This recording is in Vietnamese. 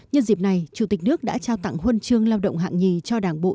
nhân dịp này chủ tịch nước đã trao tặng huân chương lao động hạng nhì cho đảng bộ